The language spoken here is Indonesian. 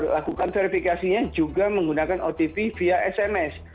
lakukan verifikasinya juga menggunakan otv via sms